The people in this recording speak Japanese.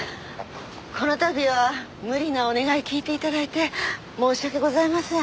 この度は無理なお願い聞いて頂いて申し訳ございません。